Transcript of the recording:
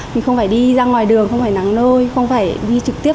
mình không phải đi ra ngoài đường không phải nắng nôi không phải đi trực tiếp